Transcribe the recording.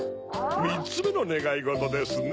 ３つめのねがいごとですね。